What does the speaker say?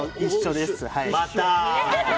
また。